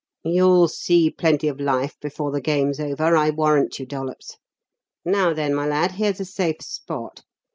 "You'll see plenty of life before the game's over, I warrant you, Dollops. Now then, my lad, here's a safe spot.